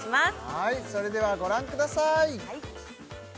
はいそれではご覧ください